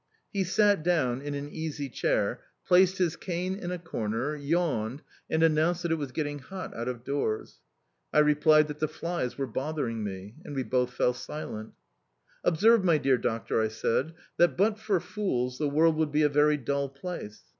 He sat down in an easy chair, placed his cane in a corner, yawned, and announced that it was getting hot out of doors. I replied that the flies were bothering me and we both fell silent. "Observe, my dear doctor," I said, "that, but for fools, the world would be a very dull place.